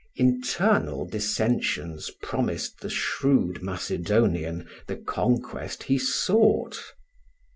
Internal dissensions promised the shrewd Macedonian the conquest he sought.